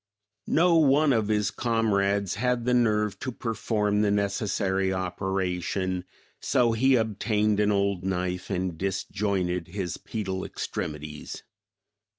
No one of his comrades had the nerve to perform the necessary operation, so he obtained an old knife and disjointed his pedal extremities.